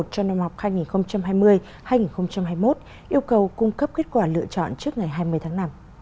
cho năm học hai nghìn hai mươi hai nghìn hai mươi một yêu cầu cung cấp kết quả lựa chọn trước ngày hai mươi tháng năm